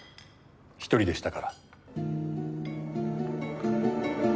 １人でしたから。